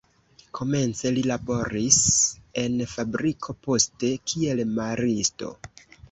Komence li laboris en fabriko, poste kiel maristo.